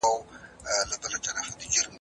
څېړنه د پوښتنو ځوابونه پیدا کوي.